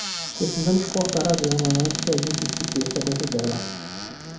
Precisamos cortar a grama antes que a gente se perca dentro dela.